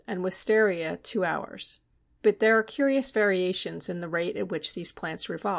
and Wistaria 2 hrs. But there are curious variations in the rate at which these plants revolve.